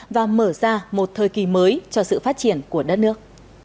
và mở ra một thời kỳ mới cho sự phát triển của đất nước